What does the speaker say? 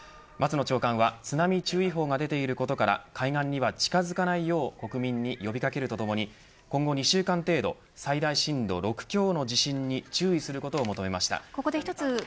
松野長官は津波注意報が出ていることから海岸には近づかないよう国民に呼び掛けるとともに今後２週間程度最大震度６強の地震に注意する事を求めました。